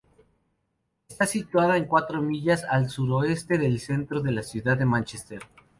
Está situada a cuatro millas al suroeste del centro de la ciudad de Mánchester.